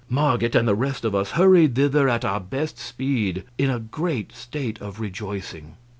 Marget and the rest of us hurried thither at our best speed, in a great state of rejoicing.